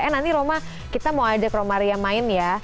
eh nanti roma kita mau ajak romaria main ya